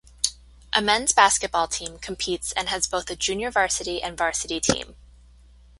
A men's basketball team competes and has both a junior varsity and varsity team.